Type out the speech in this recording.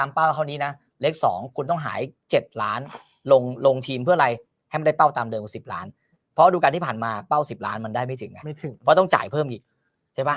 เพราะต้องจ่ายเพิ่มอีกใช่ป่ะ